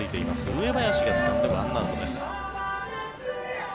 上林がつかんで１アウトです。